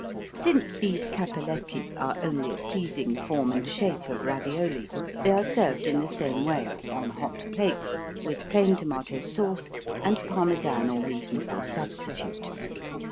Since these Cappelletti are only a pleasing form and shape of ravioli, they are served in the same way on hot plates, with plain tomato sauce and Parmesan or reasonable substitute.